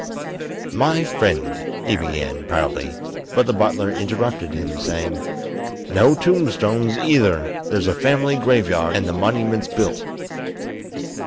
"My friend," he began, proudly; but the butler interrupted him, saying: "No tombstones, either; there's a family graveyard and the monument's built."